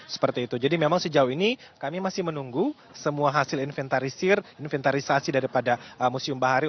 seperti itu jadi memang sejauh ini kami masih menunggu semua hasil inventarisir inventarisasi daripada museum bahari